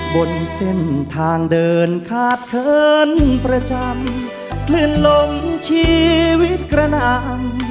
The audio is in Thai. บนเส้นทางเดินขาดเขินประจำคลื่นลมชีวิตกระหน่ำ